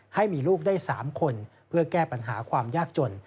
ให้มีลูกได้๓คนเพื่อแก้ปัญหาความยากจน